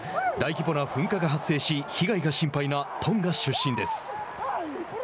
大規模な噴火が発生し被害が心配なトンガ出身です。